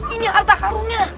ini harta karunnya